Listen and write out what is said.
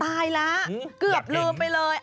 ตายแล้วเกือบลืมไปเลย